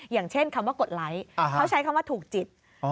อย่างเช่นคำว่ากดไลค์เขาใช้คำว่าถูกจิต